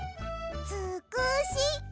「つくし」か！